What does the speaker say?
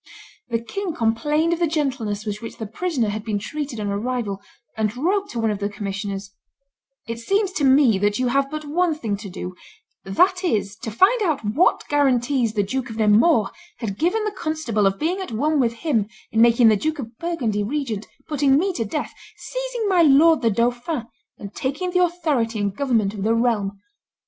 The king complained of the gentleness with which the prisoner had been treated on arrival, and wrote to one of the commissioners, "It seems to me that you have but one thing to do; that is, to find out what guarantees the Duke of Nemours had given the constable of being at one with him in making the Duke of Burgundy regent, putting me to death, seizing my lord the dauphin, and taking the authority and government of the realm.